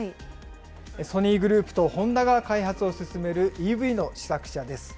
ソニーグループとホンダが開発を進めるＥＶの試作車です。